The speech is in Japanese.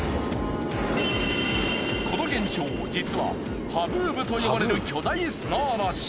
この現象実はハブーブと呼ばれる巨大砂嵐。